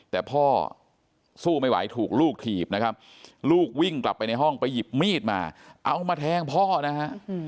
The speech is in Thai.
แต่พ่อสู้ไม่ไหวถูกลูกถีบนะครับลูกวิ่งกลับไปในห้องไปหยิบมีดมาเอามาแทงพ่อนะฮะ